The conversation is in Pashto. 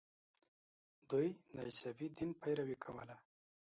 دوی د عیسوي دین پیروي کوله.